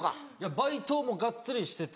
バイトもうがっつりしてて。